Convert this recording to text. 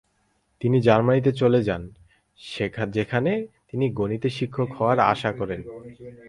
তিনি জার্মানিতে চলে যান, যেখানে তিনি গণিতের শিক্ষক হওয়ার আশা করেন।